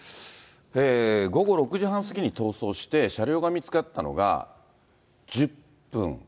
午後６時半過ぎに逃走して、車両が見つかったのが、１０分。